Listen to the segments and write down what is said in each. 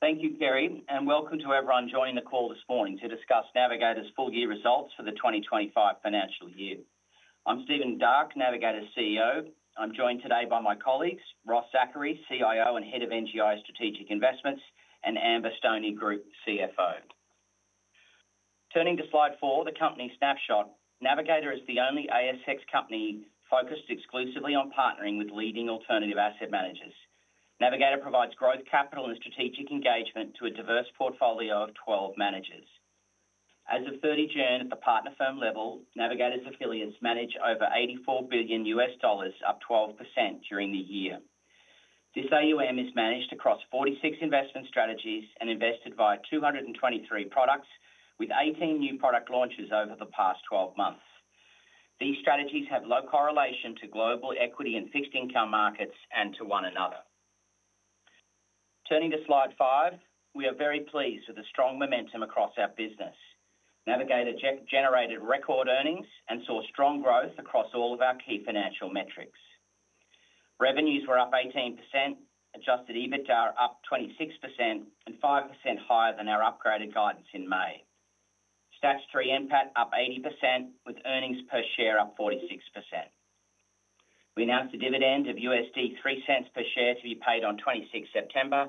Thank you, Kerry, and welcome to everyone joining the call this morning to discuss Navigator Global Investments Ltd's full-year results for the 2025 financial year. I'm Stephen Darke, Navigator's CEO. I'm joined today by my colleagues, Ross Zachary, CIO and Head of NGI Strategic Investments, and Amber Stoney, Group CFO. Turning to slide four, the company's snapshot, Navigator is the only ASX company focused exclusively on partnering with leading alternative asset managers. Navigator provides growth capital and strategic engagement to a diverse portfolio of 12 managers. As of 30 January at the partner firm level, Navigator's affiliates manage over $84 billion, up 12% during the year. This AUM is managed across 46 investment strategies and invested via 223 products, with 18 new product launches over the past 12 months. These strategies have low correlation to global equity and fixed income markets and to one another. Turning to slide five, we are very pleased with the strong momentum across our business. Navigator generated record earnings and saw strong growth across all of our key financial metrics. Revenues were up 18%, adjusted EBITDA up 26%, and 5% higher than our upgraded guidance in May. Statutory NPAT up 80%, with earnings per share up 46%. We announced a dividend of $0.03 per share to be paid on 26 September.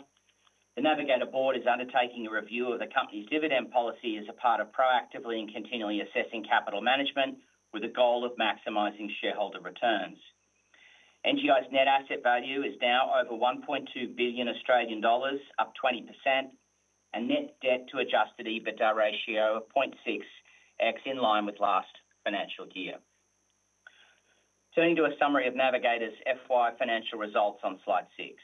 The Navigator Board is undertaking a review of the company's dividend policy as a part of proactively and continually assessing capital management, with a goal of maximizing shareholder returns. NGI's net asset value is now over 1.2 billion Australian dollars, up 20%, and net debt to adjusted EBITDA ratio of 0.6x, in line with last financial year. Turning to a summary of Navigator's FY financial results on slide six,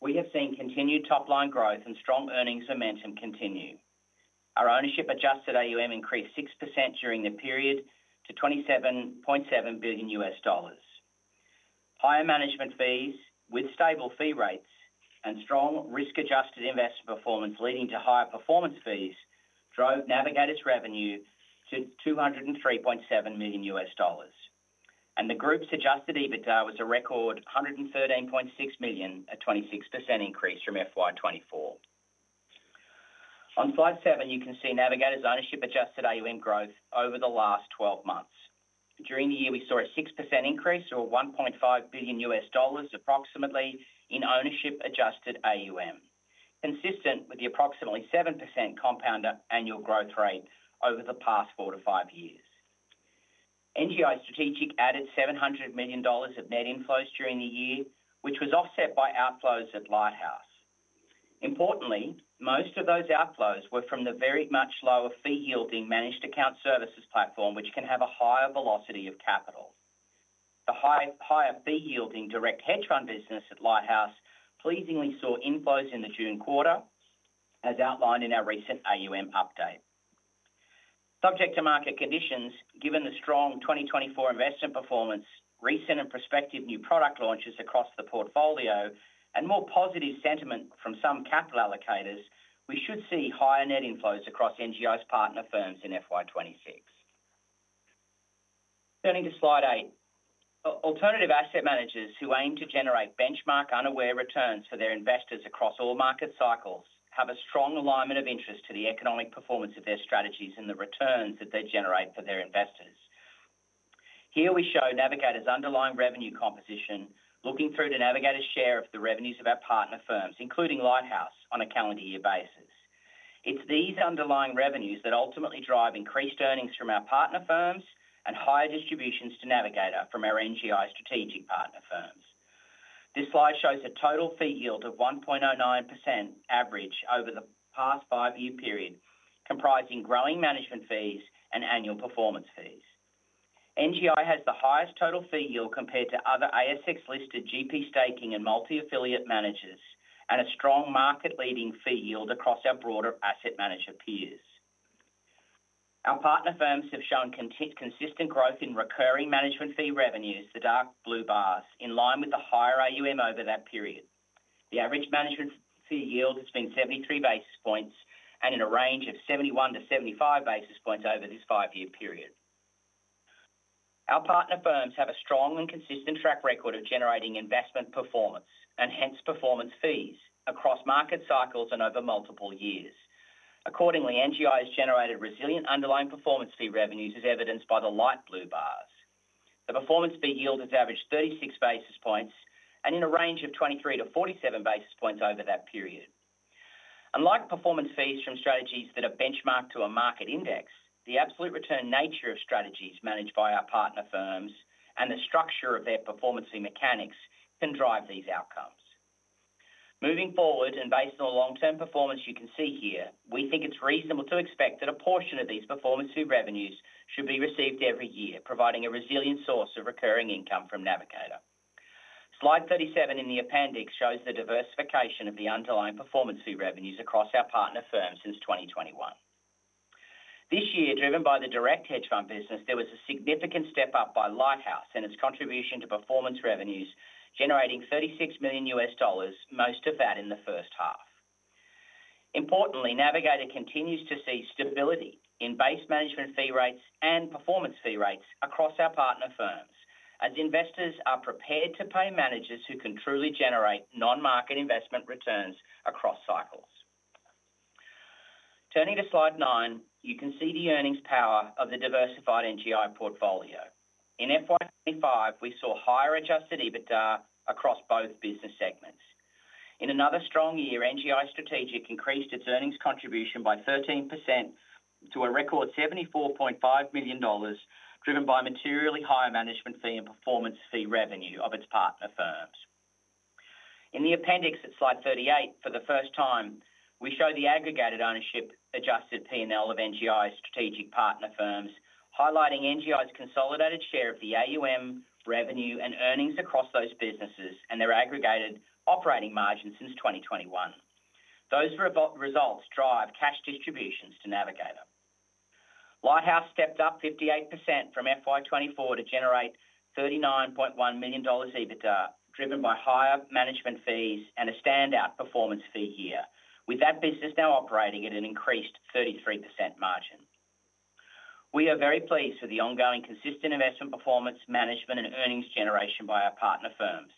we have seen continued top-line growth and strong earnings momentum continue. Our ownership adjusted AUM increased 6% during the period to $27.7 billion. Higher management fees, with stable fee rates, and strong risk-adjusted investment performance leading to higher performance fees drove Navigator's revenue to $203.7 million, and the group's adjusted EBITDA was a record $113.6 million, a 26% increase from FY 2024. On slide seven, you can see Navigator's ownership adjusted AUM growth over the last 12 months. During the year, we saw a 6% increase, or approximately $1.5 billion, in ownership-adjusted AUM, consistent with the approximately 7% compound annual growth rate over the past four to five years. NGI Strategic added $700 million of net inflows during the year, which was offset by outflows at Lighthouse. Importantly, most of those outflows were from the very much lower fee-yielding managed account services platform, which can have a higher velocity of capital. The higher fee-yielding direct hedge fund business at Lighthouse pleasingly saw inflows in the June quarter, as outlined in our recent AUM update. Subject to market conditions, given the strong 2024 investment performance, recent and prospective new product launches across the portfolio, and more positive sentiment from some capital allocators, we should see higher net inflows across NGI's partner firms in FY 2026. Turning to slide eight, alternative asset managers who aim to generate benchmark-unaware returns for their investors across all market cycles have a strong alignment of interest to the economic performance of their strategies and the returns that they generate for their investors. Here we show Navigator's underlying revenue composition, looking through the Navigator's share of the revenues of our partner firms, including Lighthouse, on a calendar year basis. It's these underlying revenues that ultimately drive increased earnings from our partner firms and higher distributions to Navigator from our NGI Strategic partner firms. This slide shows a total fee yield of 1.09% average over the past five-year period, comprising growing management fees and annual performance fees. NGI has the highest total fee yield compared to other ASX-listed GP staking and multi-affiliate managers, and a strong market-leading fee yield across our broader asset manager peers. Our partner firms have shown consistent growth in recurring management fee revenues, the dark blue bars, in line with the higher AUM over that period. The average management fee yield has been 73 basis points, and in a range of 71-75 basis points over this five-year period. Our partner firms have a strong and consistent track record of generating investment performance, and hence performance fees, across market cycles and over multiple years. Accordingly, NGI has generated resilient underlying performance fee revenues as evidenced by the light blue bars. The performance fee yield has averaged 36 basis points, and in a range of 23-47 basis points over that period. Unlike performance fees from strategies that are benchmarked to a market index, the absolute return nature of strategies managed by our partner firms and the structure of their performance fee mechanics can drive these outcomes. Moving forward, and based on the long-term performance you can see here, we think it's reasonable to expect that a portion of these performance fee revenues should be received every year, providing a resilient source of recurring income from Navigator. Slide 37 in the appendix shows the diversification of the underlying performance fee revenues across our partner firms since 2021. This year, driven by the direct hedge fund business, there was a significant step up by Lighthouse and its contribution to performance revenues, generating $36 million, most of that in the first half. Importantly, Navigator continues to see stability in base management fee rates and performance fee rates across our partner firms, as investors are prepared to pay managers who can truly generate non-market investment returns across cycles. Turning to slide nine, you can see the earnings power of the diversified NGI portfolio. In FY 2025, we saw higher adjusted EBITDA across both business segments. In another strong year, NGI Strategic increased its earnings contribution by 13% to a record $74.5 million, driven by materially higher management fee and performance fee revenue of its partner firms. In the appendix at slide 38, for the first time, we show the aggregated ownership adjusted P&L of NGI's strategic partner firms, highlighting NGI's consolidated share of the AUM revenue and earnings across those businesses and their aggregated operating margins since 2021. Those results drive cash distributions to Navigator. Lighthouse stepped up 58% from FY 2024 to generate $39.1 million EBITDA, driven by higher management fees and a standout performance fee year, with that business now operating at an increased 33% margin. We are very pleased with the ongoing consistent investment performance, management, and earnings generation by our partner firms.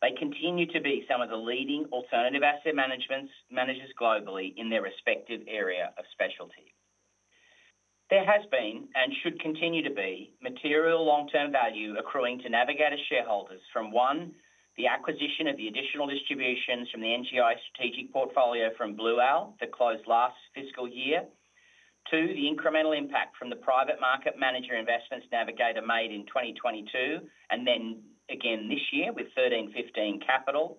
They continue to be some of the leading alternative asset managers globally in their respective area of specialty. There has been, and should continue to be, material long-term value accruing to Navigator's shareholders from one, the acquisition of the additional distributions from the NGI Strategic portfolio from Blue Owl that closed last fiscal year, two, the incremental impact from the private market manager investments Navigator made in 2022, and then again this year with 1315 Capital,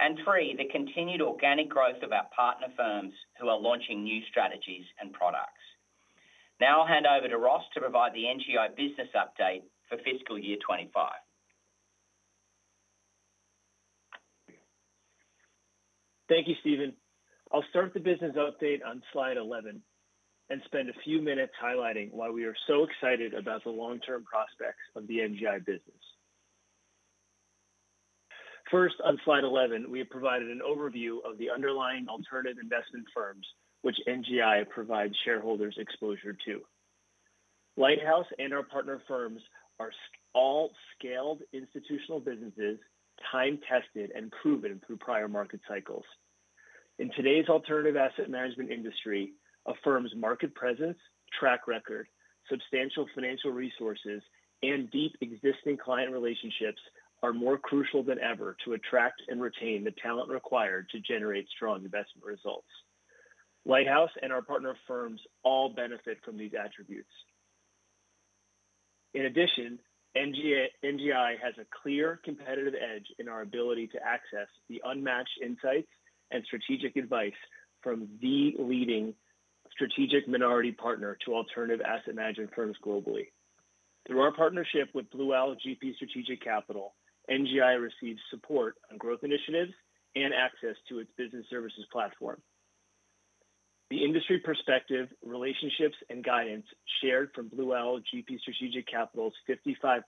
and three, the continued organic growth of our partner firms who are launching new strategies and products. Now I'll hand over to Ross to provide the NGI business update for fiscal year 2025. Thank you, Stephen. I'll start the business update on slide 11 and spend a few minutes highlighting why we are so excited about the long-term prospects of the NGI business. First, on slide 11, we have provided an overview of the underlying alternative investment firms, which NGI provides shareholders exposure to. Lighthouse and our partner firms are all scaled institutional businesses, time-tested and proven through prior market cycles. In today's alternative asset management industry, a firm's market presence, track record, substantial financial resources, and deep existing client relationships are more crucial than ever to attract and retain the talent required to generate strong investment results. Lighthouse and our partner firms all benefit from these attributes. In addition, NGI has a clear competitive edge in our ability to access the unmatched insights and strategic advice from the leading strategic minority partner to alternative asset management firms globally. Through our partnership with Blue Owl GP Strategic Capital, NGI receives support on growth initiatives and access to its business services platform. The industry perspective, relationships, and guidance shared from Blue Owl GP Strategic Capital's 55+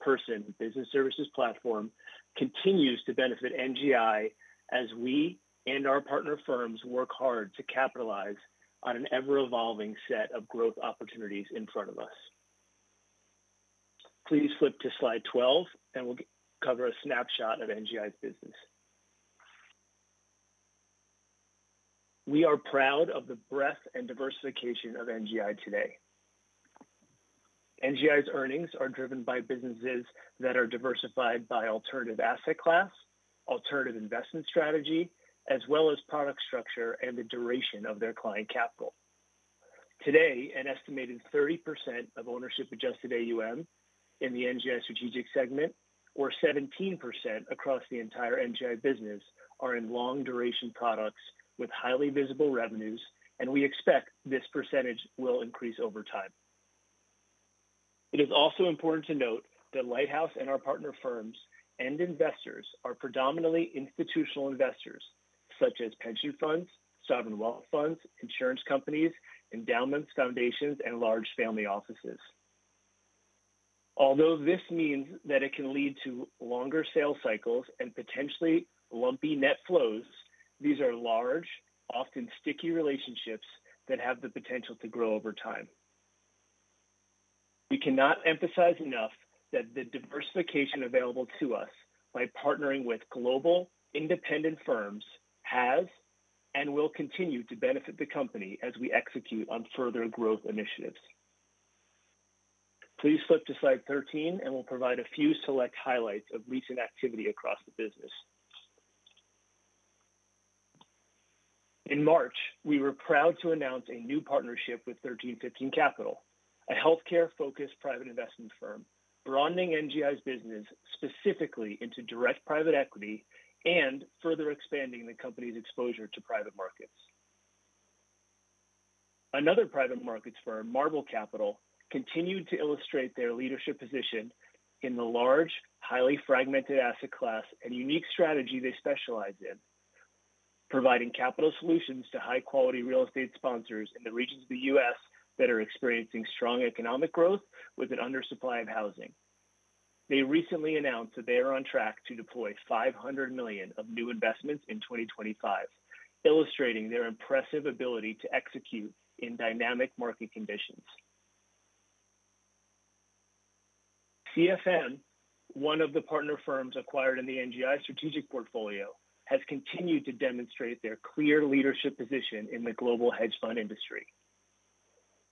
person business services platform continues to benefit NGI as we and our partner firms work hard to capitalize on an ever-evolving set of growth opportunities in front of us. Please flip to slide 12, and we'll cover a snapshot of NGI's business. We are proud of the breadth and diversification of NGI today. NGI's earnings are driven by businesses that are diversified by alternative asset class, alternative investment strategy, as well as product structure and the duration of their client capital. Today, an estimated 30% of ownership adjusted AUM in the NGI Strategic segment, or 17% across the entire NGI business, are in long-duration products with highly visible revenues, and we expect this percentage will increase over time. It is also important to note that Lighthouse and our partner firms and investors are predominantly institutional investors, such as pension funds, sovereign wealth funds, insurance companies, endowments, foundations, and large family offices. Although this means that it can lead to longer sales cycles and potentially lumpy net flows, these are large, often sticky relationships that have the potential to grow over time. We cannot emphasize enough that the diversification available to us by partnering with global, independent firms has and will continue to benefit the company as we execute on further growth initiatives. Please flip to slide 13, and we'll provide a few select highlights of recent activity across the business. In March, we were proud to announce a new partnership with 1315 Capital, a healthcare-focused private investment firm, broadening NGI's business specifically into direct private equity and further expanding the company's exposure to private markets. Another private markets firm, Marble Capital, continued to illustrate their leadership position in the large, highly fragmented asset class and unique strategy they specialize in, providing capital solutions to high-quality real estate sponsors in the regions of the U.S. that are experiencing strong economic growth with an undersupply of housing. They recently announced that they are on track to deploy $500 million of new investments in 2025, illustrating their impressive ability to execute in dynamic market conditions. CFM, one of the partner firms acquired in the NGI Strategic portfolio, has continued to demonstrate their clear leadership position in the global hedge fund industry.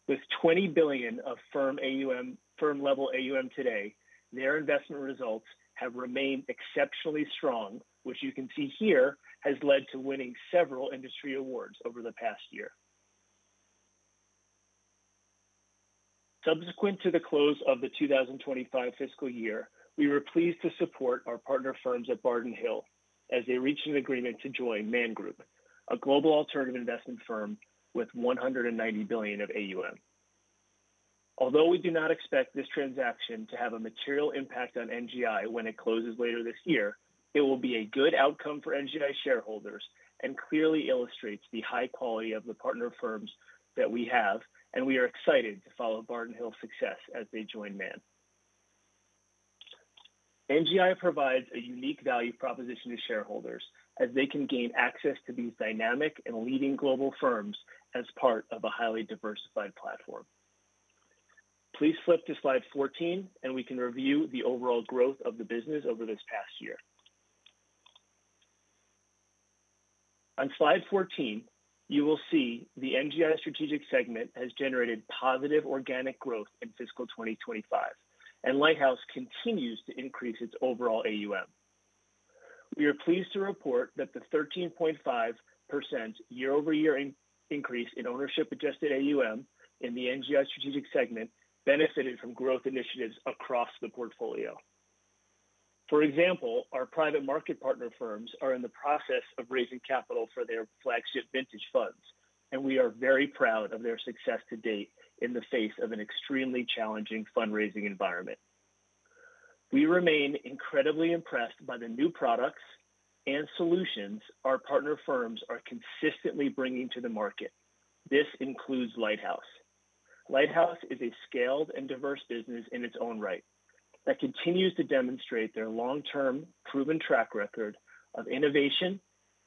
With $20 billion of firm level AUM today, their investment results have remained exceptionally strong, which you can see here has led to winning several industry awards over the past year. Subsequent to the close of the 2025 fiscal year, we were pleased to support our partner firms at Barton Hill as they reached an agreement to join Man Group, a global alternative investment firm with $190 billion of AUM. Although we do not expect this transaction to have a material impact on NGI when it closes later this year, it will be a good outcome for NGI shareholders and clearly illustrates the high quality of the partner firms that we have, and we are excited to follow Barton Hill's success as they join Man Group. NGI provides a unique value proposition to shareholders as they can gain access to these dynamic and leading global firms as part of a highly diversified platform. Please flip to slide 14, and we can review the overall growth of the business over this past year. On slide 14, you will see the NGI Strategic segment has generated positive organic growth in fiscal 2025, and Lighthouse continues to increase its overall AUM. We are pleased to report that the 13.5% year-over-year increase in ownership adjusted AUM in the NGI Strategic segment benefited from growth initiatives across the portfolio. For example, our private market partner firms are in the process of raising capital for their flagship vintage funds, and we are very proud of their success to date in the face of an extremely challenging fundraising environment. We remain incredibly impressed by the new products and solutions our partner firms are consistently bringing to the market. This includes Lighthouse. Lighthouse is a scaled and diverse business in its own right that continues to demonstrate their long-term proven track record of innovation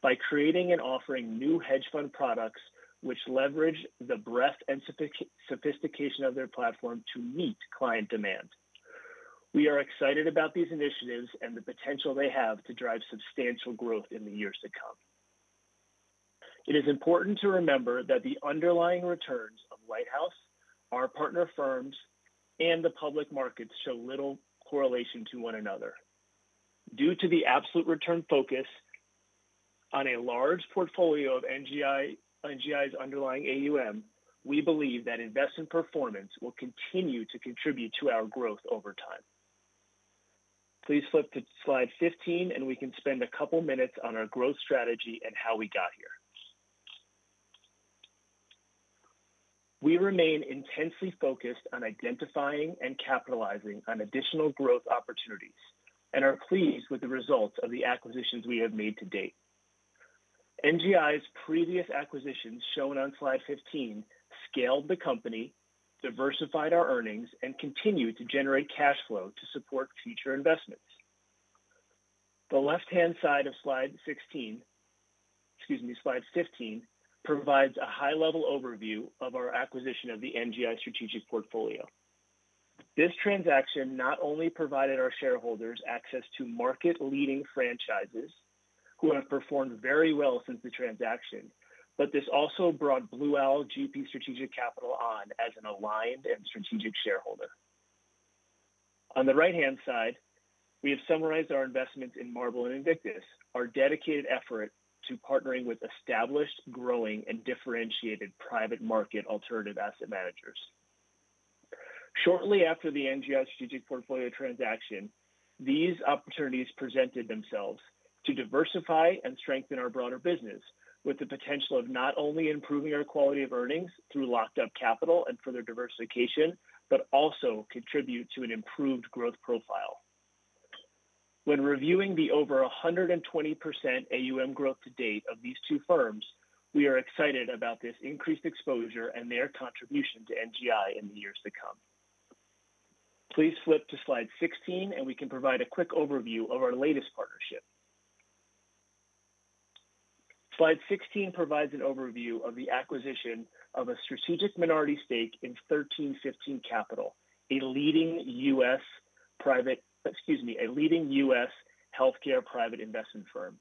by creating and offering new hedge fund products, which leverage the breadth and sophistication of their platform to meet client demand. We are excited about these initiatives and the potential they have to drive substantial growth in the years to come. It is important to remember that the underlying returns of Lighthouse, our partner firms, and the public markets show little correlation to one another. Due to the absolute return focus on a large portfolio of NGI's underlying AUM, we believe that investment performance will continue to contribute to our growth over time. Please flip to slide 15, and we can spend a couple of minutes on our growth strategy and how we got here. We remain intensely focused on identifying and capitalizing on additional growth opportunities and are pleased with the results of the acquisitions we have made to date. NGI's previous acquisitions shown on slide 15 scaled the company, diversified our earnings, and continue to generate cash flow to support future investments. The left-hand side of slide 16, excuse me, slide 15, provides a high-level overview of our acquisition of the NGI Strategic portfolio. This transaction not only provided our shareholders access to market-leading franchises who have performed very well since the transaction, but this also brought Blue Owl GP Strategic Capital on as an aligned and strategic shareholder. On the right-hand side, we have summarized our investments in Marble and Invictus, our dedicated effort to partnering with established, growing, and differentiated private market alternative asset managers. Shortly after the NGI Strategic portfolio transaction, these opportunities presented themselves to diversify and strengthen our broader business, with the potential of not only improving our quality of earnings through locked-up capital and further diversification, but also contribute to an improved growth profile. When reviewing the over 120% AUM growth to date of these two firms, we are excited about this increased exposure and their contribution to NGI in the years to come. Please flip to slide 16, and we can provide a quick overview of our latest partnership. Slide 16 provides an overview of the acquisition of a strategic minority stake in 1315 Capital, a leading U.S. healthcare private investment firm.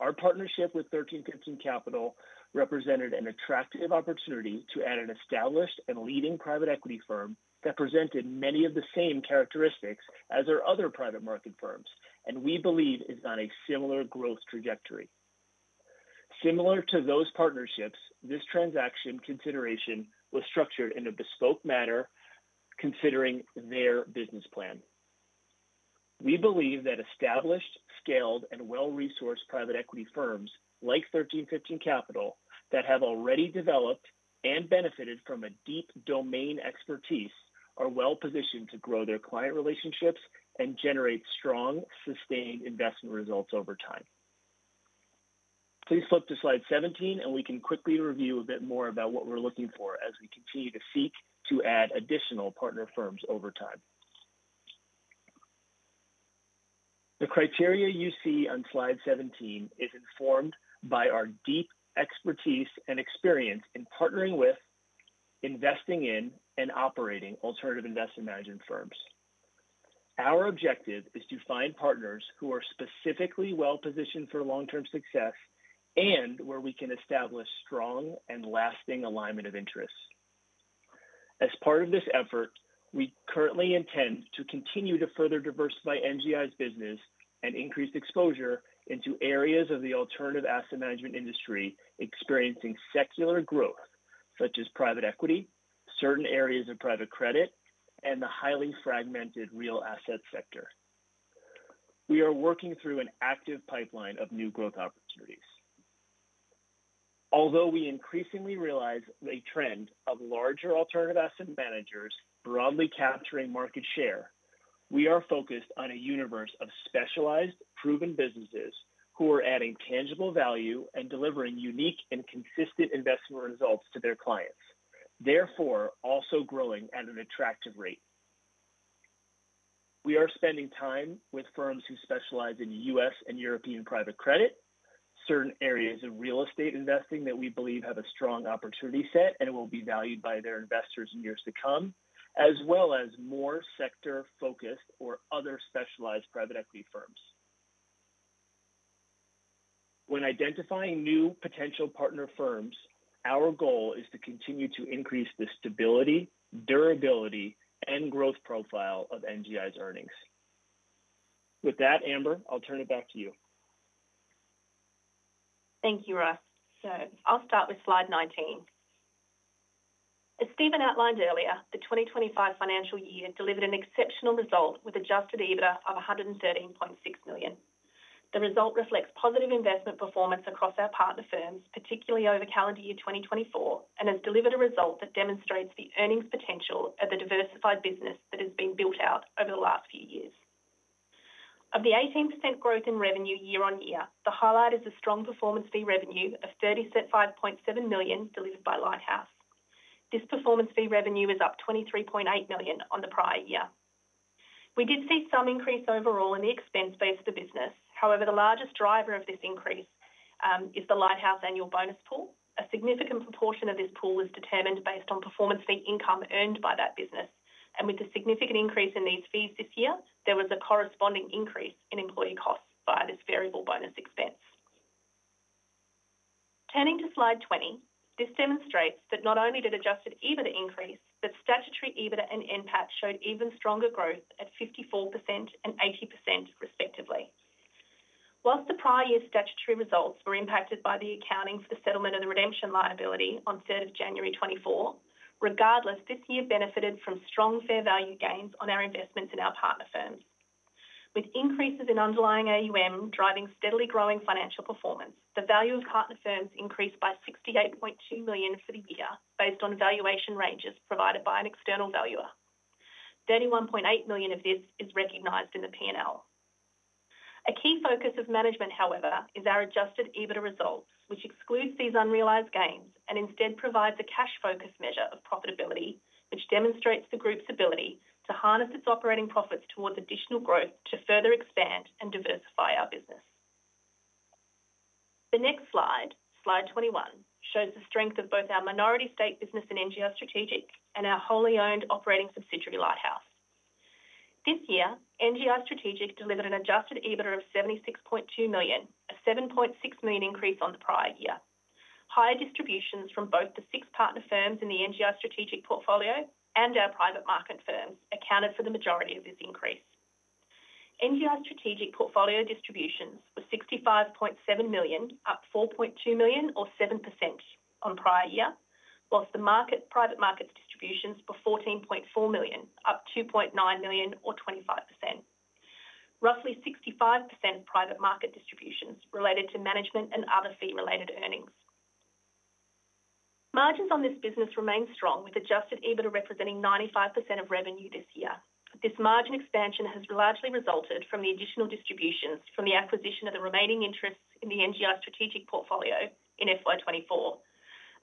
Our partnership with 1315 Capital represented an attractive opportunity to add an established and leading private equity firm that presented many of the same characteristics as our other private market firms, and we believe is on a similar growth trajectory. Similar to those partnerships, this transaction consideration was structured in a bespoke manner, considering their business plan. We believe that established, scaled, and well-resourced private equity firms, like 1315 Capital, that have already developed and benefited from a deep domain expertise, are well-positioned to grow their client relationships and generate strong, sustained investment results over time. Please flip to slide 17, and we can quickly review a bit more about what we're looking for as we continue to seek to add additional partner firms over time. The criteria you see on slide 17 is informed by our deep expertise and experience in partnering with, investing in, and operating alternative investment management firms. Our objective is to find partners who are specifically well-positioned for long-term success and where we can establish strong and lasting alignment of interests. As part of this effort, we currently intend to continue to further diversify NGI's business and increase exposure into areas of the alternative asset management industry experiencing secular growth, such as private equity, certain areas of private credit, and the highly fragmented real assets sector. We are working through an active pipeline of new growth opportunities. Although we increasingly realize a trend of larger alternative asset managers broadly capturing market share, we are focused on a universe of specialized, proven businesses who are adding tangible value and delivering unique and consistent investment results to their clients, therefore also growing at an attractive rate. We are spending time with firms who specialize in U.S. and European private credit, certain areas of real estate investing that we believe have a strong opportunity set and will be valued by their investors in years to come, as well as more sector-focused or other specialized private equity firms. When identifying new potential partner firms, our goal is to continue to increase the stability, durability, and growth profile of NGI's earnings. With that, Amber, I'll turn it back to you. Thank you, Ross. I'll start with slide 19. As Stephen outlined earlier, the 2025 financial year delivered an exceptional result with an adjusted EBITDA of $113.6 million. The result reflects positive investment performance across our partner firms, particularly over calendar year 2024, and has delivered a result that demonstrates the earnings potential of the diversified business that has been built out over the last few years. Of the 18% growth in revenue year-on-year, the highlight is the strong performance fee revenue of $35.7 million delivered by Lighthouse. This performance fee revenue was up $23.8 million on the prior year. We did see some increase overall in the expense base of the business. However, the largest driver of this increase is the Lighthouse annual bonus pool. A significant proportion of this pool is determined based on performance fee income earned by that business. With a significant increase in these fees this year, there was a corresponding increase in employee costs by this variable bonus expense. Turning to slide 20, this demonstrates that not only did adjusted EBITDA increase, but statutory EBITDA and NPAT showed even stronger growth at 54% and 80% respectively. Whilst the prior year's statutory results were impacted by the accounting for the settlement of the redemption liability on January 3, 2024, this year benefited from strong fair value gains on our investments in our partner firms. With increases in underlying AUM driving steadily growing financial performance, the value of partner firms increased by $68.2 million for the year based on valuation ranges provided by an external valuer. $31.8 million of this is recognized in the P&L. A key focus of management, however, is our adjusted EBITDA results, which excludes these unrealized gains and instead provides a cash-focused measure of profitability, which demonstrates the group's ability to harness its operating profits towards additional growth to further expand and diversify our business. The next slide, slide 21, shows the strength of both our minority stake business in NGI Strategic and our wholly owned operating subsidiary Lighthouse. This year, NGI Strategic delivered an adjusted EBITDA of $76.2 million, a $7.6 million increase on the prior year. Higher distributions from both the six partner firms in the NGI Strategic portfolio and our private market firms accounted for the majority of this increase. NGI Strategic portfolio distributions were $65.7 million, up $4.2 million or 7% on the prior year, whilst the private markets distributions were $14.4 million, up $2.9 million or 25%. Roughly 65% of private market distribution related to management and other fee-related earnings. Margins on this business remain strong, with adjusted EBITDA representing 95% of revenue this year. This margin expansion has largely resulted from the additional distributions from the acquisition of the remaining interests in the NGI Strategic portfolio in FY 2024,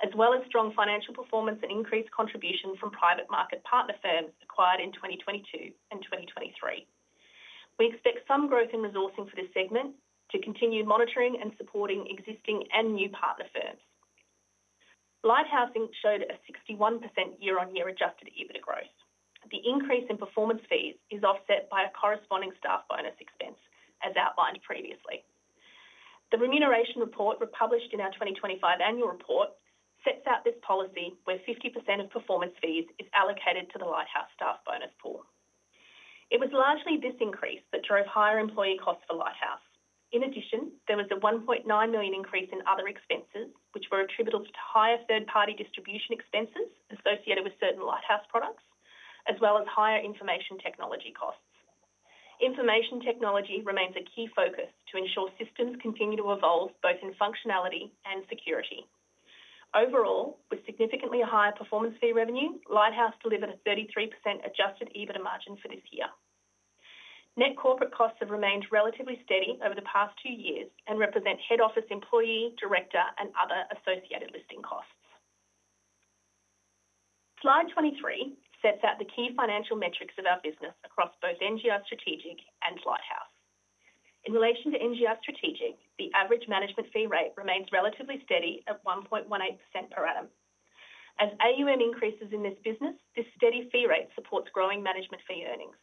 as well as strong financial performance and increased contribution from private market partner firms acquired in 2022 and 2023. We expect some growth in resourcing for this segment to continue monitoring and supporting existing and new partner firms. Lighthouse showed a 61% year-on-year adjusted EBITDA growth. The increase in performance fees is offset by a corresponding staff bonus expense, as outlined previously. The remuneration report, published in our 2025 annual report, sets out this policy where 50% of performance fees is allocated to the Lighthouse staff bonus pool. It was largely this increase that drove higher employee costs for Lighthouse. In addition, there was a $1.9 million increase in other expenses, which were attributable to higher third-party distribution expenses associated with certain Lighthouse products, as well as higher information technology costs. Information technology remains a key focus to ensure systems continue to evolve both in functionality and security. Overall, with significantly higher performance fee revenue, Lighthouse delivered a 33% adjusted EBITDA margin for this year. Net corporate costs have remained relatively steady over the past two years and represent head office employee, director, and other associated listing costs. Slide 23 sets out the key financial metrics of our business across both NGI Strategic and Lighthouse. In relation to NGI Strategic, the average management fee rate remains relatively steady at 1.18% per annum. As AUM increases in this business, this steady fee rate supports growing management fee earnings.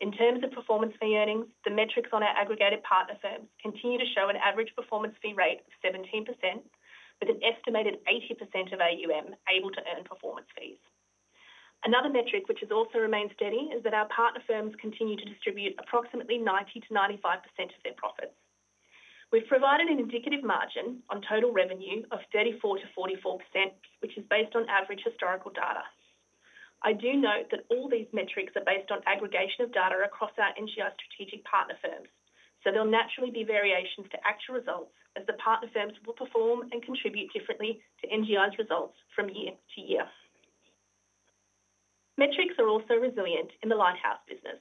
In terms of performance fee earnings, the metrics on our aggregated partner firms continue to show an average performance fee rate of 17%, with an estimated 80% of AUM able to earn performance fees. Another metric which has also remained steady is that our partner firms continue to distribute approximately 90%-95% of their profits. We've provided an indicative margin on total revenue of 34%-44%, which is based on average historical data. I do note that all these metrics are based on aggregation of data across our NGI Strategic partner firms, so there'll naturally be variations to actual results as the partner firms will perform and contribute differently to NGI's results from year to year. Metrics are also resilient in the Lighthouse business.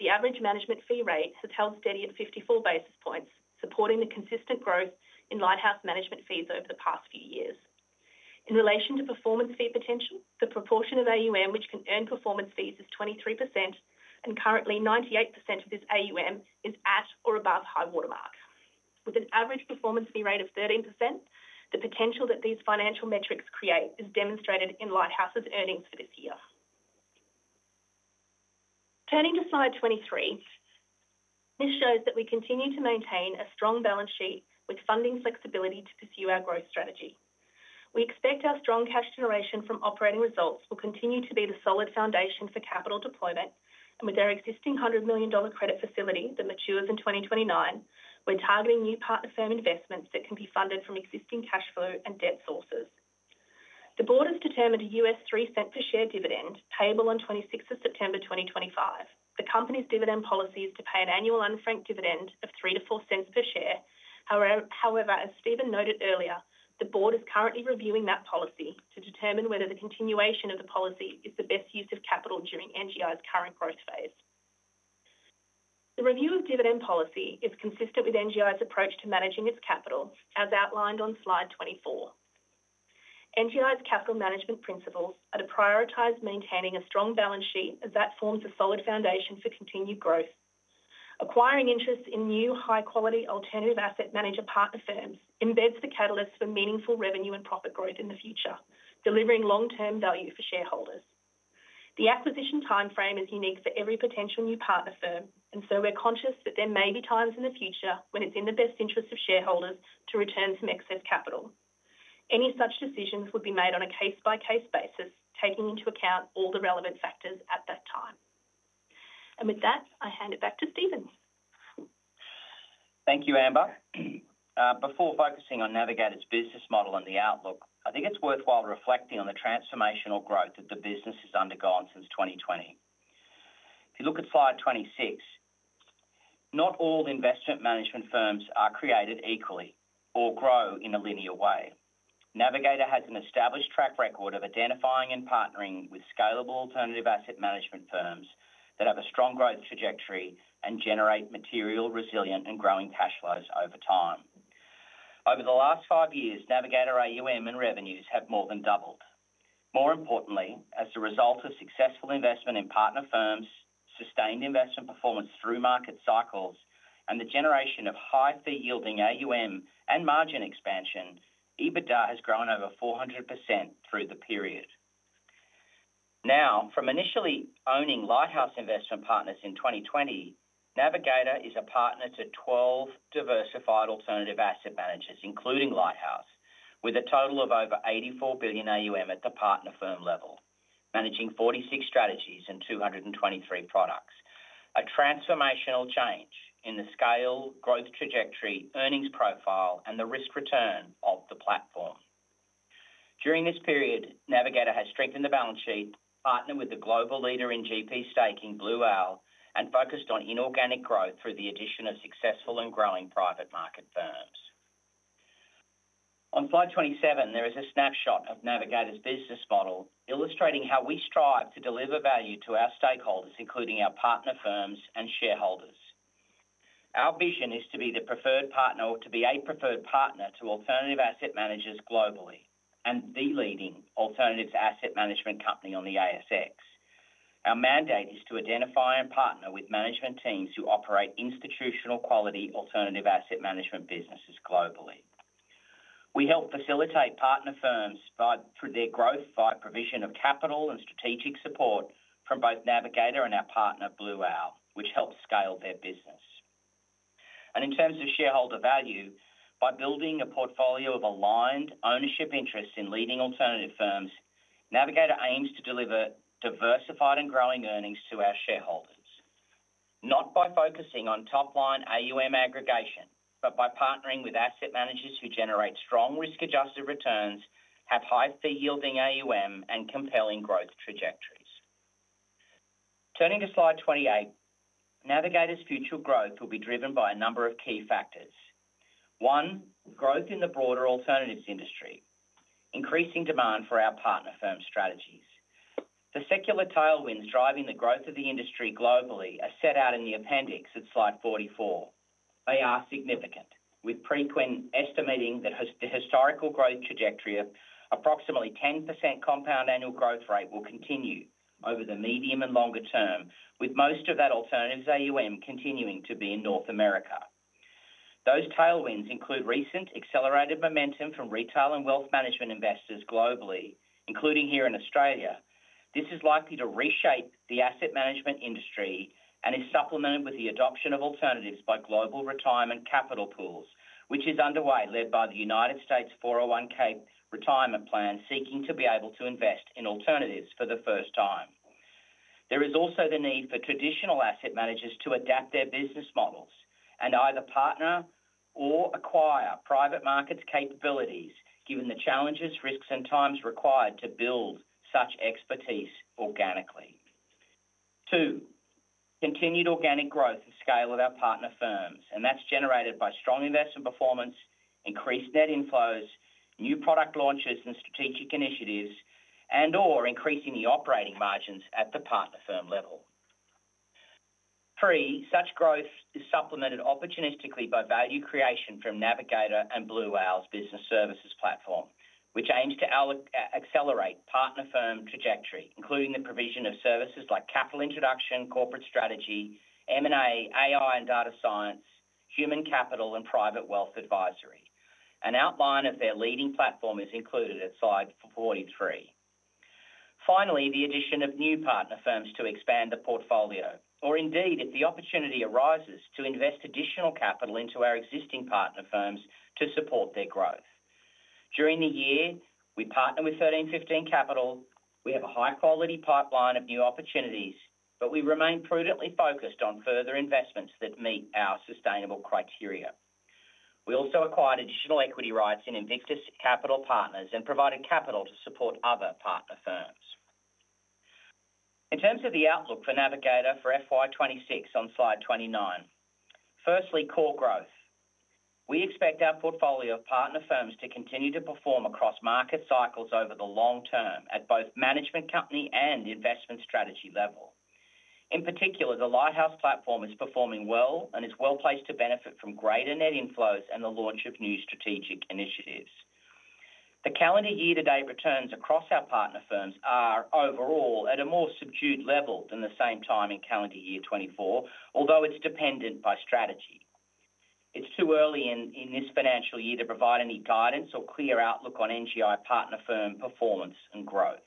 The average management fee rate has held steady at 54 basis points, supporting the consistent growth in Lighthouse management fees over the past few years. In relation to performance fee potential, the proportion of AUM which can earn performance fees is 23%, and currently 98% of this AUM is at or above high watermark. With an average performance fee rate of 13%, the potential that these financial metrics create is demonstrated in Lighthouse's earnings for this year. Turning to slide 23, this shows that we continue to maintain a strong balance sheet with funding flexibility to pursue our growth strategy. We expect our strong cash generation from operating results will continue to be the solid foundation for capital deployment. With our existing $100 million credit facility that matures in 2029, we're targeting new partner firm investments that can be funded from existing cash flow and debt sources. The board has determined a $0.03 per share dividend payable on 26th of September, 2025. The company's dividend policy is to pay an annual unfranked dividend of $0.03-$0.04 per share. However, as Stephen noted earlier, the board is currently reviewing that policy to determine whether the continuation of the policy is the best use of capital during NGI's current growth phase. The review of dividend policy is consistent with NGI's approach to managing its capital, as outlined on slide 24. NGI's capital management principles are to prioritize maintaining a strong balance sheet as that forms a solid foundation for continued growth. Acquiring interest in new high-quality alternative asset manager partner firms embeds the catalyst for meaningful revenue and profit growth in the future, delivering long-term value for shareholders. The acquisition timeframe is unique for every potential new partner firm, and we're conscious that there may be times in the future when it's in the best interest of shareholders to return some excess capital. Any such decisions would be made on a case-by-case basis, taking into account all the relevant factors at that time. With that, I hand it back to Stephen. Thank you, Amber. Before focusing on Navigator's business model and the outlook, I think it's worthwhile reflecting on the transformational growth that the business has undergone since 2020. If you look at slide 26, not all investment management firms are created equally or grow in a linear way. Navigator has an established track record of identifying and partnering with scalable alternative asset management firms that have a strong growth trajectory and generate material, resilient, and growing cash flows over time. Over the last five years, Navigator AUM and revenues have more than doubled. More importantly, as a result of successful investment in partner firms, sustained investment performance through market cycles, and the generation of high fee-yielding AUM and margin expansion, EBITDA has grown over 400% through the period. Now, from initially owning Lighthouse Investment Partners in 2020, Navigator is a partner to 12 diversified alternative asset managers, including Lighthouse, with a total of over $84 billion AUM at the partner firm level, managing 46 strategies and 223 products. A transformational change in the scale, growth trajectory, earnings profile, and the risk return of the platform. During this period, Navigator has strengthened the balance sheet, partnered with the global leader in GP staking, Blue Owl, and focused on inorganic growth through the addition of successful and growing private market firms. On slide 27, there is a snapshot of Navigator's business model illustrating how we strive to deliver value to our stakeholders, including our partner firms and shareholders. Our vision is to be the preferred partner or to be a preferred partner to alternative asset managers globally and the leading alternative asset management company on the ASX. Our mandate is to identify and partner with management teams who operate institutional quality alternative asset management businesses globally. We help facilitate partner firms by their growth by provision of capital and strategic support from both Navigator and our partner, Blue Owl, which helps scale their business. In terms of shareholder value, by building a portfolio of aligned ownership interests in leading alternative firms, Navigator aims to deliver diversified and growing earnings to our shareholders, not by focusing on top-line AUM aggregation, but by partnering with asset managers who generate strong risk-adjusted returns, have high fee-yielding AUM, and compelling growth trajectories. Turning to slide 28, Navigator's future growth will be driven by a number of key factors. One, growth in the broader alternatives industry, increasing demand for our partner firm strategies. The secular tailwinds driving the growth of the industry globally are set out in the appendix at slide 44. They are significant, with Preqin estimating that the historical growth trajectory of approximately 10% compound annual growth rate will continue over the medium and longer term, with most of that alternative AUM continuing to be in North America. Those tailwinds include recent accelerated momentum from retail and wealth management investors globally, including here in Australia. This is likely to reshape the asset management industry and is supplemented with the adoption of alternatives by global retirement capital pools, which is underway, led by the United States 401(k) retirement plan, seeking to be able to invest in alternatives for the first time. There is also the need for traditional asset managers to adapt their business models and either partner or acquire private markets' capabilities, given the challenges, risks, and time required to build such expertise organically. Two, continued organic growth of scale at our partner firms, and that's generated by strong investment performance, increased net inflows, new product launches, and strategic initiatives, and/or increasing the operating margins at the partner firm level. Three, such growth is supplemented opportunistically by value creation from Navigator and Blue Owl GP Strategic Capital's business services platform, which aims to accelerate partner firm trajectory, including the provision of services like capital introduction, corporate strategy, M&A, AI and data science, human capital, and private wealth advisory. An outline of their leading platform is included at slide 43. Finally, the addition of new partner firms to expand the portfolio, or indeed if the opportunity arises to invest additional capital into our existing partner firms to support their growth. During the year, we partner with 1315 Capital. We have a high-quality pipeline of new opportunities, but we remain prudently focused on further investments that meet our sustainable criteria. We also acquired additional equity rights in Invictus Capital Partners and provided capital to support other partner firms. In terms of the outlook for Navigator for FY 2026 on slide 29, firstly, core growth. We expect our portfolio of partner firms to continue to perform across market cycles over the long term at both management company and investment strategy level. In particular, the Lighthouse platform is performing well and is well placed to benefit from greater net inflows and the launch of new strategic initiatives. The calendar year-to-date returns across our partner firms are overall at a more subdued level than the same time in calendar year 2024, although it's dependent by strategy. It's too early in this financial year to provide any guidance or clear outlook on NGI partner firm performance and growth.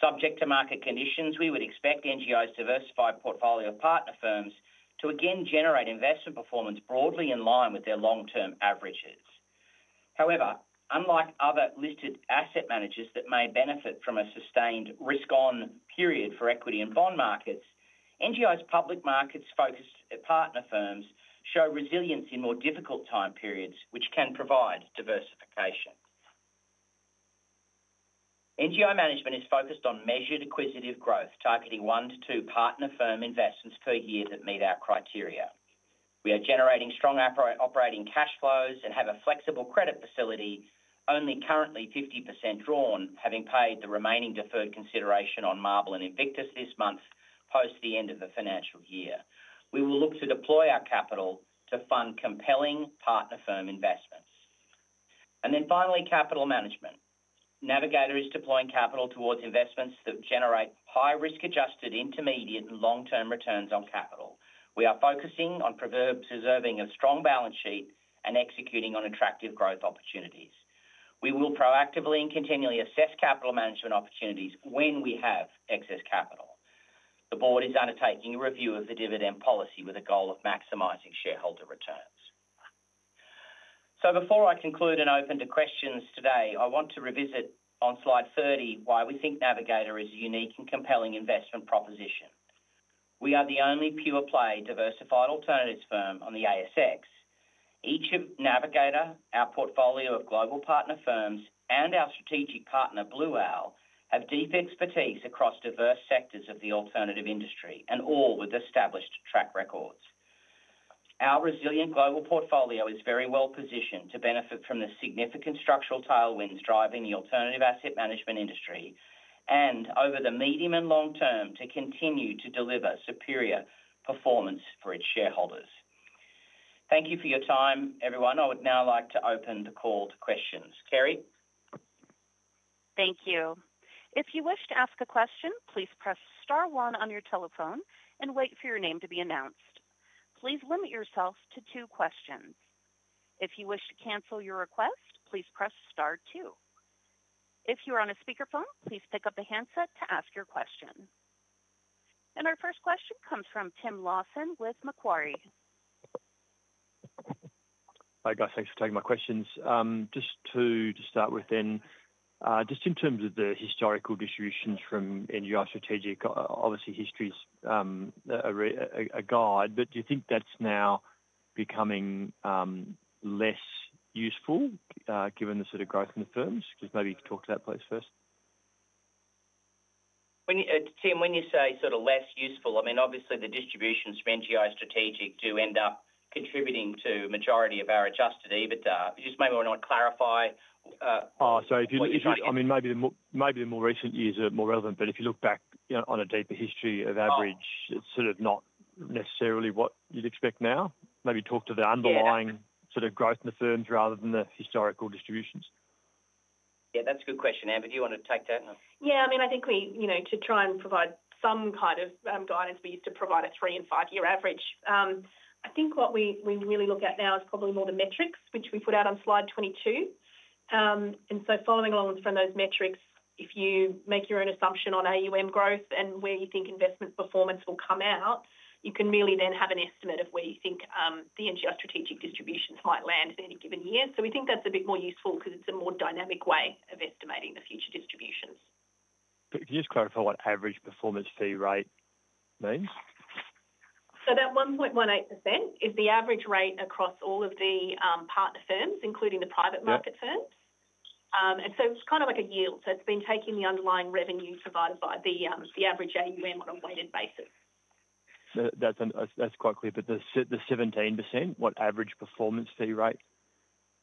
Subject to market conditions, we would expect NGI's diversified portfolio of partner firms to again generate investment performance broadly in line with their long-term averages. However, unlike other listed asset managers that may benefit from a sustained risk-on period for equity and bond markets, NGI's public markets focused partner firms show resilience in more difficult time periods, which can provide diversification. NGI management is focused on measured acquisitive growth, targeting one to two partner firm investments per year that meet our criteria. We are generating strong operating cash flows and have a flexible credit facility, only currently 50% drawn, having paid the remaining deferred consideration on Marble Capital and Invictus Capital Partners this month post the end of the financial year. We will look to deploy our capital to fund compelling partner firm investments. Finally, capital management. Navigator is deploying capital towards investments that generate high risk-adjusted intermediate and long-term returns on capital. We are focusing on preserving a strong balance sheet and executing on attractive growth opportunities. We will proactively and continually assess capital management opportunities when we have excess capital. The board is undertaking a review of the dividend policy with a goal of maximizing shareholder returns. Before I conclude and open to questions today, I want to revisit on slide 30 why we think Navigator is a unique and compelling investment proposition. We are the only pure-play diversified alternatives firm on the ASX. Each of Navigator, our portfolio of global partner firms, and our strategic partner Blue Owl have deep expertise across diverse sectors of the alternative industry, all with established track records. Our resilient global portfolio is very well positioned to benefit from the significant structural tailwinds driving the alternative asset management industry, and over the medium and long term, to continue to deliver superior performance for its shareholders. Thank you for your time, everyone. I would now like to open the call to questions. Kerry? Thank you. If you wish to ask a question, please press star one on your telephone and wait for your name to be announced. Please limit yourself to two questions. If you wish to cancel your request, please press star two. If you are on a speakerphone, please pick up the handset to ask your question. Our first question comes from Tim Lawson with Macquarie. Hi guys, thanks for taking my questions. Just to start with, in terms of the historical distributions from NGI Strategic, obviously history's a guide, but do you think that's now becoming less useful given the sort of growth in the firms? Maybe you could talk to that place first. Tim, when you say sort of less useful, I mean obviously the distributions from NGI Strategic do end up contributing to a majority of our adjusted EBITDA. Just maybe want to clarify. If you look at, I mean maybe the more recent years are more relevant, but if you look back on a deeper history of average, it's sort of not necessarily what you'd expect now. Maybe talk to the underlying sort of growth in the firms rather than the historical distributions. Yeah, that's a good question. Amber, do you want to take that? Yeah, I mean I think we, you know, to try and provide some kind of guidance, we used to provide a three and five-year average. I think what we really look at now is probably more the metrics, which we put out on slide 22. Following along from those metrics, if you make your own assumption on AUM growth and where you think investment performance will come out, you can really then have an estimate of where you think the NGI Strategic distributions might land in any given year. We think that's a bit more useful because it's a more dynamic way of estimating the future distributions. Could you just clarify what average performance fee rate means? That 1.18% is the average rate across all of the partner firms, including the private market firms. It's kind of like a yield. It's been taking the underlying revenue provided by the average AUM from a weighted basis. That's quite clear, but the 17%—what does average performance fee rate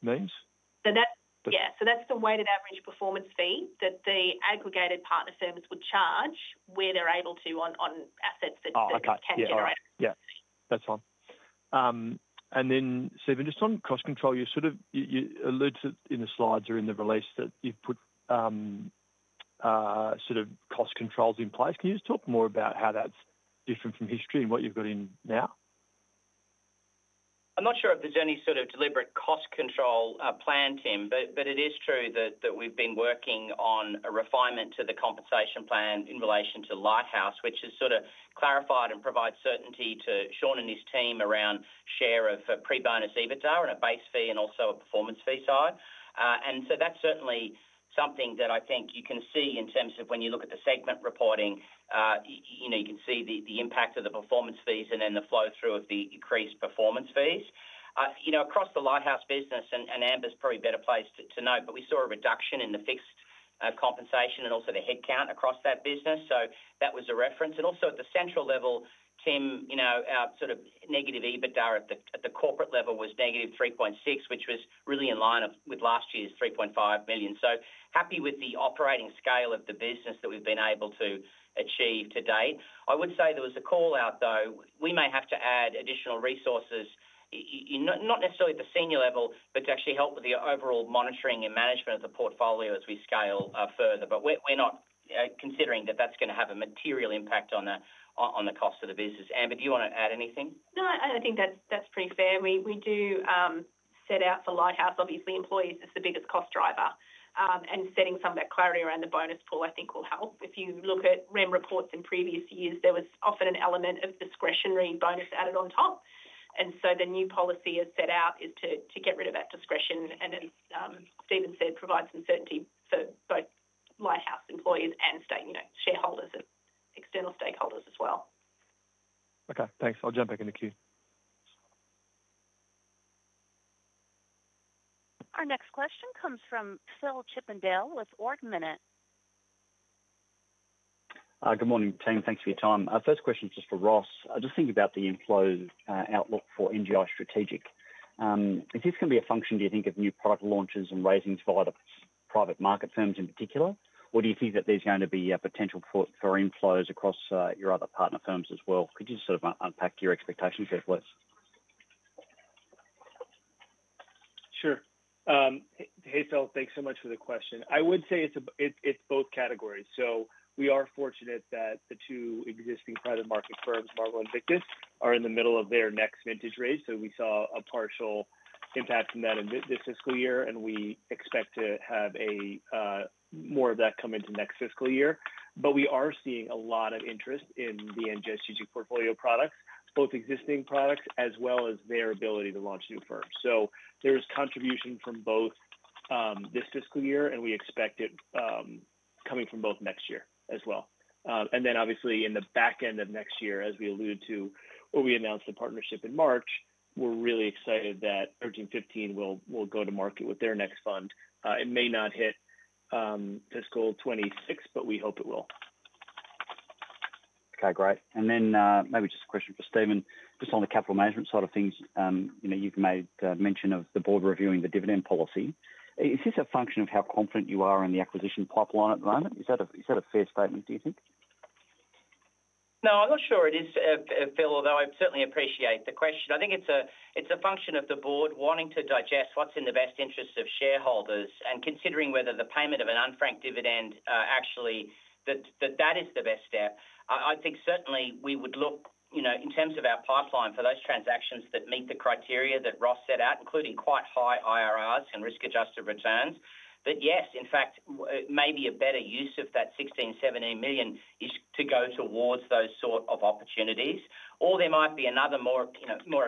mean? That's the weighted average performance fee that the aggregated partner firms would charge where they're able to on assets that they can generate. Yeah, that's fine. Stephen, just on cost control, you alluded to it in the slides or in the release that you've put cost controls in place. Can you just talk more about how that's different from history and what you've got in now? I'm not sure if there's any sort of deliberate cost control plan, Tim, but it is true that we've been working on a refinement to the compensation plan in relation to Lighthouse, which has clarified and provides certainty to Sean and his team around share of pre-bonus EBITDA and a base fee and also a performance fee side. That's certainly something that I think you can see in terms of when you look at the segment reporting, you can see the impact of the performance fees and then the flow-through of the increased performance fees across the Lighthouse business, and Amber's probably better placed to know, but we saw a reduction in the fixed compensation and also the headcount across that business. That was a reference. Also at the central level, Tim, our negative EBITDA at the corporate level was -$3.6 million, which was really in line with last year's $3.5 million. Happy with the operating scale of the business that we've been able to achieve to date. I would say there was a call out, though, we may have to add additional resources, not necessarily at the senior level, to actually help with the overall monitoring and management of the portfolio as we scale further. We're not considering that that's going to have a material impact on the cost of the business. Amber, do you want to add anything? No, I think that's pretty fair. We do set out for Lighthouse, obviously employees is the biggest cost driver. Setting some of that clarity around the bonus pool, I think, will help. If you look at REM reports in previous years, there was often an element of discretionary bonus added on top. The new policy is set out to get rid of that discretion. As Stephen said, provide some certainty for both Lighthouse employees and, you know, shareholders and external stakeholders as well. Okay, thanks. I'll jump back in the queue. Our next question comes from Phil Chippendale with Ord Minnett. Good morning, Tim. Thanks for your time. First question is just for Ross. I'm just thinking about the inflow outlook for NGI Strategic. Is this going to be a function, do you think, of new product launches and raisings for private market firms in particular? Do you think that there's going to be a potential for inflows across your other partner firms as well? Could you sort of unpack your expectations here, please? Sure. Hey Phil, thanks so much for the question. I would say it's both categories. We are fortunate that the two existing private market firms, Marble and Invictus, are in the middle of their next vintage raise. We saw a partial impact in that in this fiscal year, and we expect to have more of that come into next fiscal year. We are seeing a lot of interest in the NGI Strategic portfolio products, both existing products as well as their ability to launch new firms. There's contribution from both this fiscal year, and we expect it coming from both next year as well. Obviously, in the back end of next year, as we alluded to when we announced the partnership in March, we're really excited that 1315 Capital will go to market with their next fund. It may not hit fiscal 2026, but we hope it will. Okay, great. Maybe just a question for Stephen, just on the capital management side of things. You've made mention of the board reviewing the dividend policy. Is this a function of how confident you are in the acquisition pipeline at the moment? Is that a fair statement, do you think? No, I'm not sure it is, Phil, although I certainly appreciate the question. I think it's a function of the Board wanting to digest what's in the best interests of shareholders and considering whether the payment of an unfranked dividend actually, that is the best step. I think certainly we would look, you know, in terms of our pipeline for those transactions that meet the criteria that Ross set out, including quite high IRRs and risk-adjusted returns, that yes, in fact, maybe a better use of that $16 million-$17 million is to go towards those sort of opportunities. There might be another more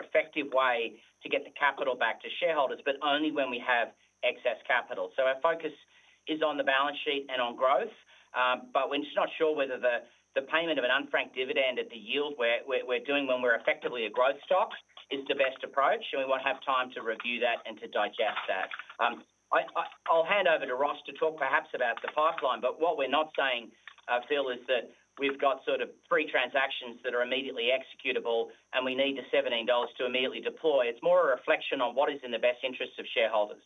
effective way to get the capital back to shareholders, but only when we have excess capital. Our focus is on the balance sheet and on growth, but we're just not sure whether the payment of an unfranked dividend at the yield we're doing when we're effectively a growth stock is the best approach. We won't have time to review that and to digest that. I'll hand over to Ross to talk perhaps about the pipeline, but what we're not saying, Phil, is that we've got sort of three transactions that are immediately executable and we need the $17 million to immediately deploy. It's more a reflection on what is in the best interests of shareholders.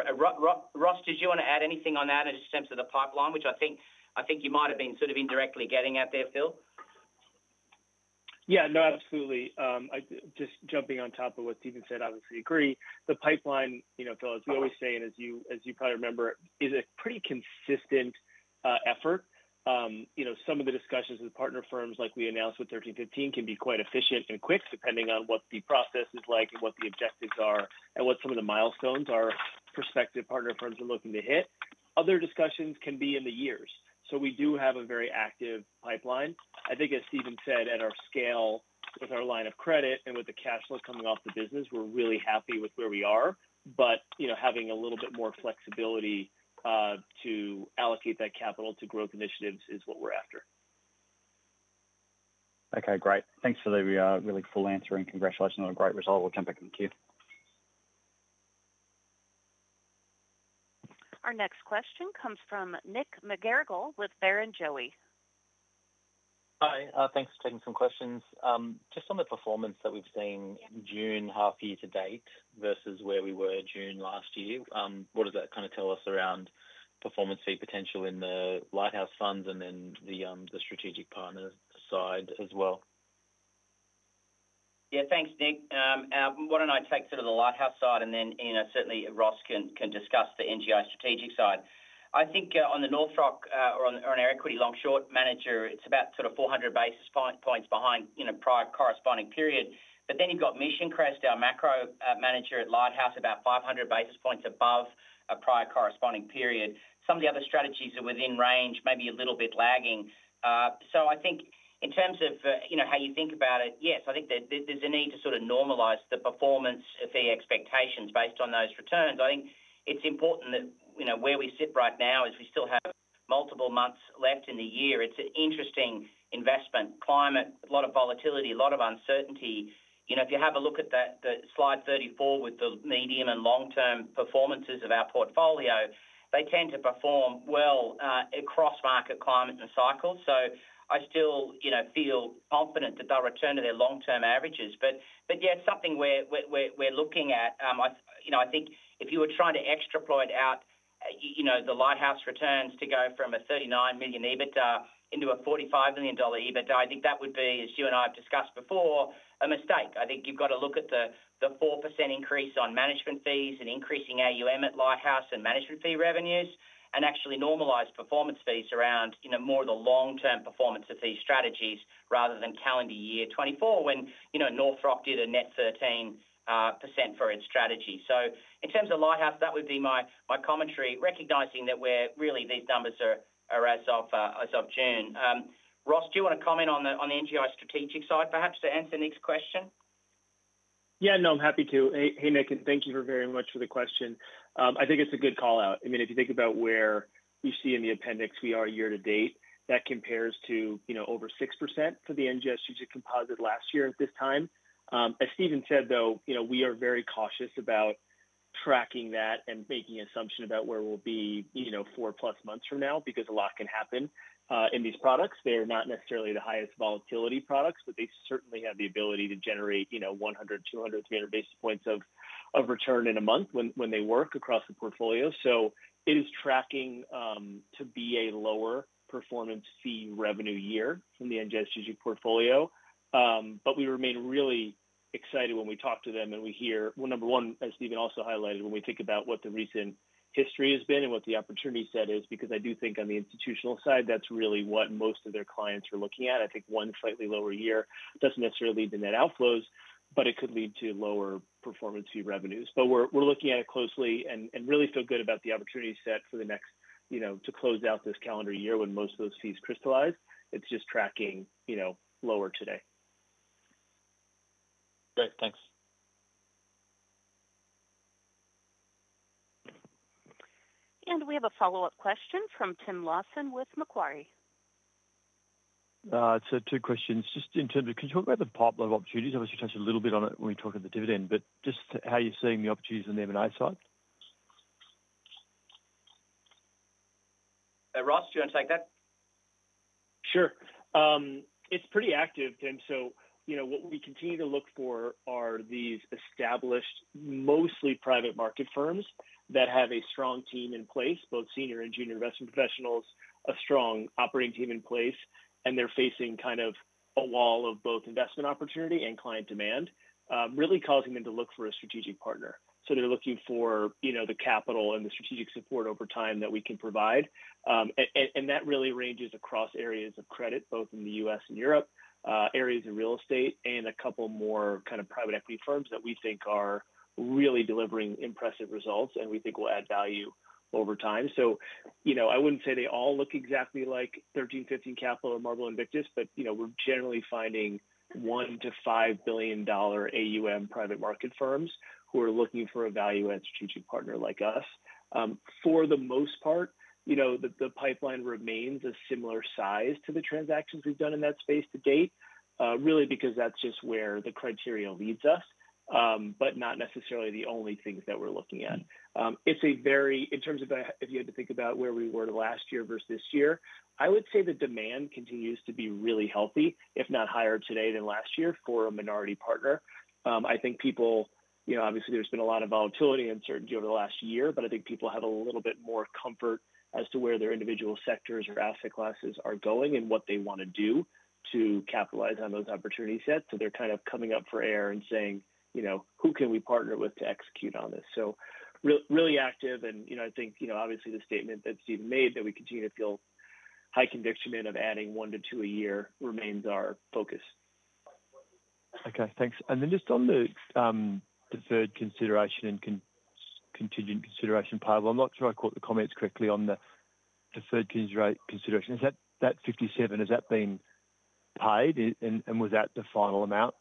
Ross, did you want to add anything on that in terms of the pipeline, which I think you might have been sort of indirectly getting at there, Phil? Yeah, no, absolutely. Just jumping on top of what Stephen said, I obviously agree. The pipeline, you know, Phil, as we always say, and as you probably remember, is a pretty consistent effort. Some of the discussions with partner firms, like we announced with 1315 Capital, can be quite efficient and quick, depending on what the process is like and what the objectives are and what some of the milestones our prospective partner firms are looking to hit. Other discussions can be in the years. We do have a very active pipeline. I think, as Stephen said, at our scale, with our line of credit and with the cash flow coming off the business, we're really happy with where we are. Having a little bit more flexibility to allocate that capital to growth initiatives is what we're after. Okay, great. Thanks for the really full answer, and congratulations on a great result. We'll jump back in the queue. Our next question comes from Nick McGarrigle with Barrenjoey. Hi, thanks for taking some questions. Just on the performance that we've seen in June half year to date versus where we were June last year, what does that kind of tell us around performance fee potential in the Lighthouse fund and then the strategic partner side as well? Yeah, thanks, Nick. Why don't I take sort of the Lighthouse side and then, you know, certainly Ross can discuss the NGI Strategic side. I think on the NorthRock or on our equity long-short manager, it's about 400 basis points behind, you know, prior corresponding period. Then you've got Mission Crest, our macro manager at Lighthouse, about 500 basis points above a prior corresponding period. Some of the other strategies are within range, maybe a little bit lagging. I think in terms of how you think about it, yes, I think there's a need to sort of normalize the performance fee expectations based on those returns. I think it's important that where we sit right now is we still have multiple months left in the year. It's an interesting investment climate, a lot of volatility, a lot of uncertainty. If you have a look at slide 34 with the medium and long-term performances of our portfolio, they tend to perform well across market climate and cycles. I still feel confident that they'll return to their long-term averages. It's something we're looking at. I think if you were trying to extrapolate out the Lighthouse returns to go from a $39 million EBITDA into a $45 million EBITDA, I think that would be, as you and I have discussed before, a mistake. You've got to look at the 4% increase on management fees and increasing AUM at Lighthouse and management fee revenues and actually normalize performance fees around more of the long-term performance of these strategies rather than calendar year 2024 when NorthRock did a net 13% for its strategy. In terms of Lighthouse, that would be my commentary, recognizing that these numbers are as of June. Ross, do you want to comment on the NGI Strategic side perhaps to answer Nick's question? Yeah, no, I'm happy to. Hey Nick, and thank you very much for the question. I think it's a good call out. I mean, if you think about where you see in the appendix we are year to date, that compares to, you know, over 6% for the NGI Strategic composite last year at this time. As Stephen said, though, we are very cautious about tracking that and making an assumption about where we'll be, you know, four plus months from now because a lot can happen in these products. They're not necessarily the highest volatility products, but they certainly have the ability to generate, you know, 100, 200, 300 basis points of return in a month when they work across the portfolio. It is tracking to be a lower performance fee revenue year in the NGI Strategic portfolio. We remain really excited when we talk to them and we hear, well, number one, as Stephen also highlighted, when we think about what the recent history has been and what the opportunity set is, because I do think on the institutional side, that's really what most of their clients are looking at. I think one slightly lower year doesn't necessarily lead to net outflows, but it could lead to lower performance fee revenues. We're looking at it closely and really feel good about the opportunity set for the next, you know, to close out this calendar year when most of those fees crystallize. It's just tracking, you know, lower today. Great, thanks. We have a follow-up question from Tim Lawson with Macquarie. It's a good question. It's just in terms of, could you talk about the partner opportunities? Obviously, you touched a little bit on it when we talked about the dividend, but just how you're seeing the opportunities on the M&I side. Ross, do you want to take that? Sure. It's pretty active, Tim. What we continue to look for are these established, mostly private market firms that have a strong team in place, both senior and junior investment professionals, a strong operating team in place, and they're facing kind of a wall of both investment opportunity and client demand, really causing them to look for a strategic partner. They're looking for the capital and the strategic support over time that we can provide. That really ranges across areas of credit, both in the U.S. and Europe, areas of real estate, and a couple more private equity firms that we think are really delivering impressive results and we think will add value over time. I wouldn't say they all look exactly like 1315 Capital and Marble, Invictus, but we're generally finding $1 billion-$5 billion AUM private market firms who are looking for a value-add strategic partner like us. For the most part, the pipeline remains a similar size to the transactions we've done in that space to date, really because that's just where the criteria leads us, but not necessarily the only things that we're looking at. It's a very, in terms of if you had to think about where we were last year versus this year, I would say the demand continues to be really healthy, if not higher today than last year for a minority partner. I think people, obviously there's been a lot of volatility and uncertainty over the last year, but I think people have a little bit more comfort as to where their individual sectors or asset classes are going and what they want to do to capitalize on those opportunities yet. They're kind of coming up for air and saying, who can we partner with to execute on this? Really active, and I think, obviously the statement that Stephen made that we continue to feel high conviction in of adding one to two a year remains our focus. Okay, thanks. Just on the deferred consideration and contingent consideration pipeline, I'm not sure I caught the comments correctly on the deferred consideration. Is that $57, has that been paid and was that the final amount?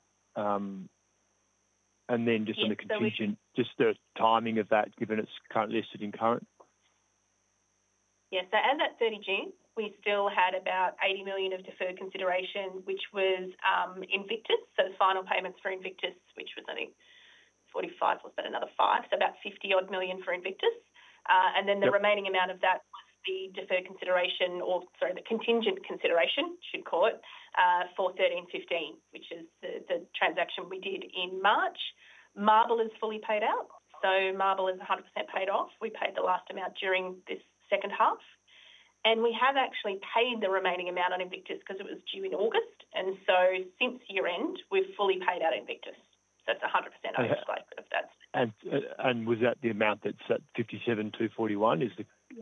Just on the contingent, the timing of that given it's currently listed in current. Yes, so as at 30 June, we still had about $80 million of deferred consideration, which was Invictus. The final payments for Invictus, which was, I think, $45 million or is that another $5 million? So about $50 million for Invictus. The remaining amount of that was the deferred consideration, or sorry, the contingent consideration, should call it, for 1315 Capital, which is the transaction we did in March. Marble is fully paid out, so Marble is 100% paid off. We paid the last amount during this second half. We have actually paid the remaining amount on Invictus because it was due in August. Since year-end, we've fully paid out Invictus. It's 100% on this growth. Was that the amount that's at $57,241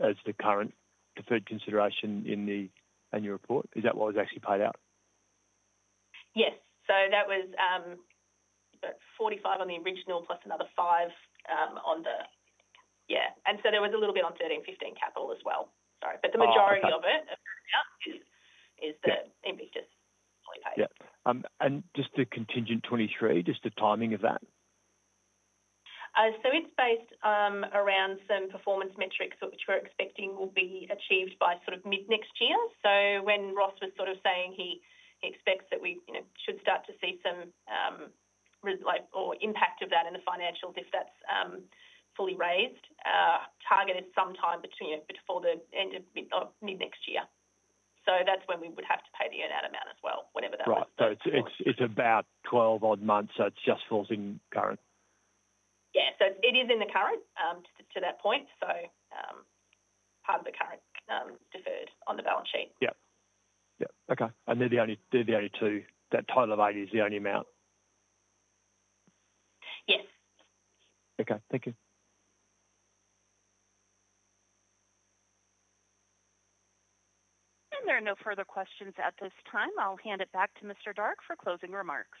as the current deferred consideration in the annual report? Is that what was actually paid out? Yes, so that was 45 on the original, plus another 5 on the, yeah. There was a little bit on 1315 Capital as well, sorry, but the majority of it, yeah, is the Invictus. Just the contingent 23, just the timing of that? It's based around some performance metrics which we're expecting will be achieved by sort of mid-next year. When Ross was saying he expects that we, you know, should start to see some impact of that in the financials if that's fully raised, targeted sometime between before the end of mid-next year. That's when we would have to pay the earned out amount as well, whatever that was. Right, so it's about 12 odd months, so it just falls in current. Yeah, it is in the current, to that point, part of the current deferred on the balance sheet. Yeah, okay. They're the only two. That title of AUM is the only amount. Yes. Okay, thank you. There are no further questions at this time. I'll hand it back to Mr. Darke for closing remarks.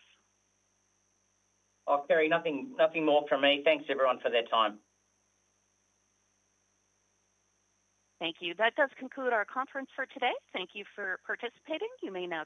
Oh, Kerry, nothing more from me. Thanks everyone for their time. Thank you. That does conclude our conference for today. Thank you for participating. You may now.